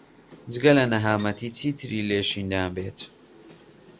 جگە لە نەهامەتی چیتری لێ شین نابیت.